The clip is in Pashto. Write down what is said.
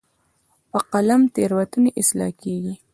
په قلم تیروتنې اصلاح کېږي.